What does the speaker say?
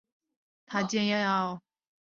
为她煎中药